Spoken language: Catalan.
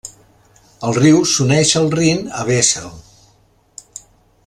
El riu s'uneix al Rin a Wesel.